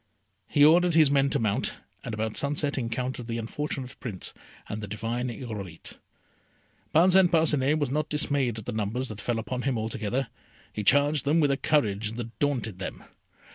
He ordered his men to mount, and about sunset encountered the unfortunate Prince and the divine Irolite. Parcin Parcinet was not dismayed at the numbers that fell upon him altogether. He charged them with a courage that daunted them.